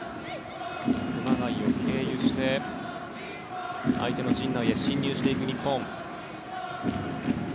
熊谷を経由して相手の陣内へ進入していく日本。